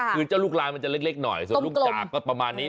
คือลูกลานมันจะเล็กหน่อยลูกจากก็ประมาณนี้